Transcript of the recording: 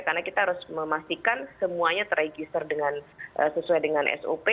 karena kita harus memastikan semuanya terregister sesuai dengan sop